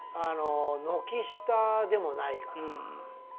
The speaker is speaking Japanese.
あの軒下でもないかな？